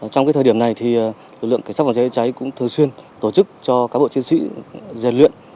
trong thời điểm này lực lượng cảnh sát phòng cháy cháy cháy cũng thường xuyên tổ chức cho các bộ chiến sĩ dàn luyện